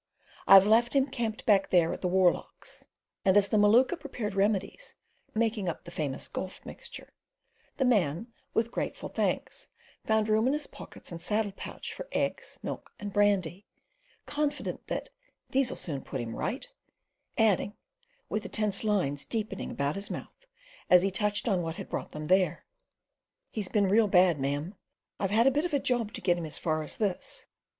"I've left him camped back there at the Warlochs"; and as the Maluka prepared remedies—making up the famous Gulf mixture—the man with grateful thanks, found room in his pockets and saddle pouch for eggs, milk, and brandy, confident that "these'll soon put him right," adding, with the tense lines deepening about his mouth as he touched on what had brought them there: "He's been real bad, ma'am. I've had a bit of a job to get him as far as this."